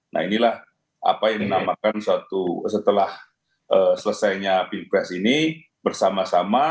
nah inilah apa yang dinamakan suatu setelah selesainya pilpres ini bersama sama